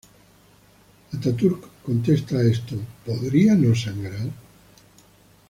Atatürk contesta a esto ¿Podría no sangrar?